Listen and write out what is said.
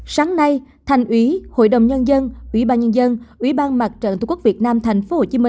sáng nay thành ủy hội đồng nhân dân ủy ban nhân dân ủy ban mặt trận tổ quốc việt nam tp hcm